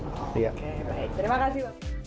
oke baik terima kasih bang